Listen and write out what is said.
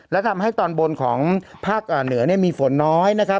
และทำให้ตอนบนของภาคเหนือมีฝนน้อยนะครับ